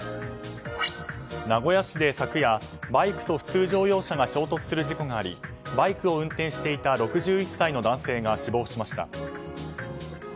名古屋市で昨夜バイクと普通乗用車が衝突する事故がありバイクを運転していた６１歳の男性が死亡しました。